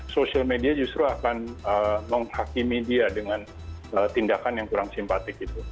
social media justru akan menghakimi dia dengan tindakan yang kurang simpatik